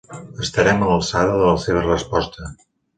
Estarem a l'alçada de la seva resposta.